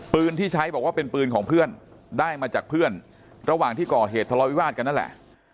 ปืนที่ใช้บอกว่าเป็นปืนของเพื่อนได้มาจากเพื่อนระหว่างที่ก่อเหตุทะเลาวิวาสกันนั่นแหละ